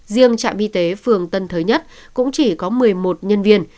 riêng trạm y tế phường tân thới nhất cũng chỉ có một mươi một nhân viên